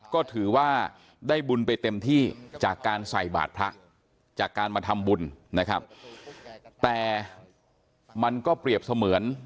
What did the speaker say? ก็ถือว่าได้บุญไปเต็มที่จากการใส่บาทพระจากการมาทำบุญนะครับแต่มันก็เปรียบเสมือน